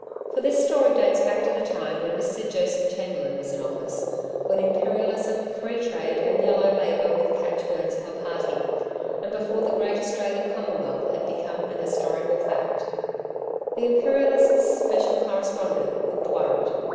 For this story dates back to the time when Mr Joseph Chamberlain was in office; when Imperialism, Free Trade and Yellow Labour were the catch words of a party, and before the great Australian Commonwealth had become an historical fact. THE IMPERIALIST's Special Correspondent looked worried.